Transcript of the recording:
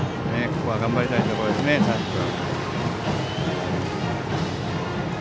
ここは頑張りたいところですね、佐山君。